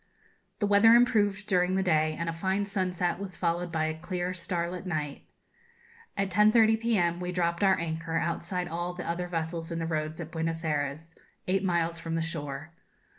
The weather improved during the day, and a fine sunset was followed by a clear starlight night. At 10.30 p.m. we dropped our anchor outside all the other vessels in the roads at Buenos Ayres, eight miles from the shore.